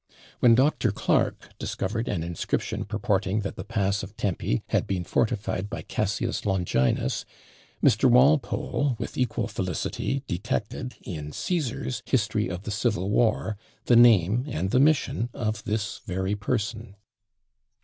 When Dr. Clarke discovered an inscription purporting that the pass of Tempe had been fortified by Cassius Longinus, Mr. Walpole, with equal felicity, detected, in Cæsar's "History of the Civil War," the name and the mission of this very person.